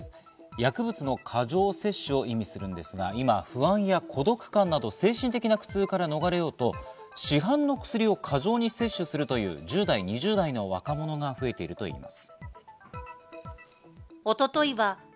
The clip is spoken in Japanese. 薬物の過剰摂取を意味しますが、今、不安や孤独感など精神的な苦痛から逃れようと市販の薬を過剰に摂取するという１０代、２０代の若者が増えているといいます。